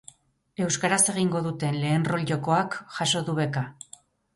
Euskaraz egingo duten lehen rol jokoak jaso du beka.